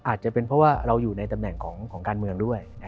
อาจจะเป็นเพราะว่าเราอยู่ในตำแหน่งของการเมืองด้วย